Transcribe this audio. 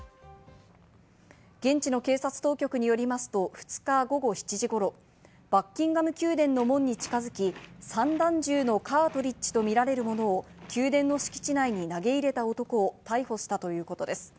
現地の警察当局によりますと２日午後７時頃、バッキンガム宮殿の門に近づき、散弾銃のカートリッジとみられるものを宮殿の敷地内に投げ入れた男を逮捕したということです。